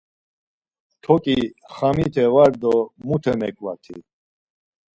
Toǩi xamite var do mute meǩvati?